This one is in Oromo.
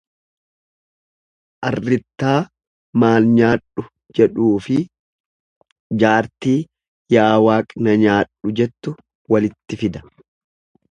Arrittaa maal nyaadhu jedhuufi jaartii yaa Waaq na nyaadhu jettu walitti fida.